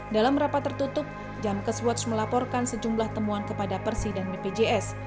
dalam rapat tertutup jamkes watch melaporkan sejumlah temuan kepada persi dan bpjs